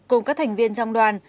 cùng các thành viên trong đoàn